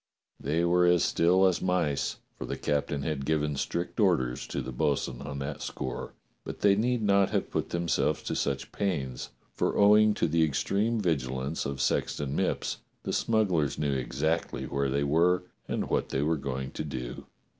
They were as still as mice, for the captain had given strict orders to the bo'sun on that score, but they need not have put themselves to such pains, for owing to the extreme vigilance of Sexton Mipps the smugglers knew exactly where they were and what they were going to do.